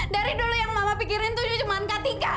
dari dulu yang mama pikirin tuh cuma kak tika